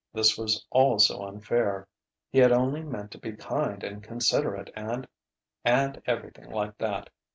This was all so unfair! He had only meant to be kind and considerate and and everything like that!